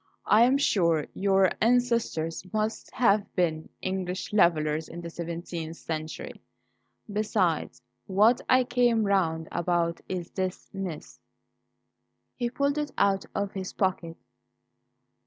I'm sure your ancestors must have been English Levellers in the seventeenth century. Besides, what I came round about is this MS." He pulled it out of his pocket.